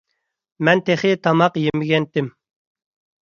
مەن تېخى تاماق يېمىگەنتىم.